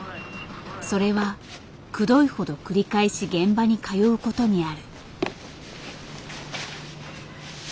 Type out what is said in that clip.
それはくどいほど繰り返し現場に通うことにある。